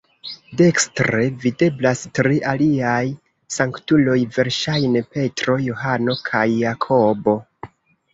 Dekstre videblas tri aliaj sanktuloj, verŝajne Petro, Johano kaj Jakobo.